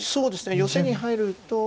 ヨセに入ると。